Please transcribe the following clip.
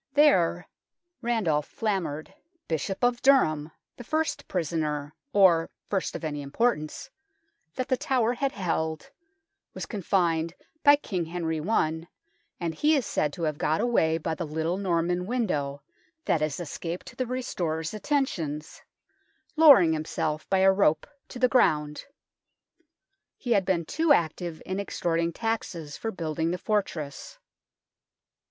There Randulf Flambard, Bishop of Durham, the first prisoner or first of any importance that The Tower had held, was confined by King Henry I, and he is said to have got away by the little Norman window that has escaped the restorer's attentions, lowering himself by a rope to the ground. He had been too active in extorting taxes for building the fortress.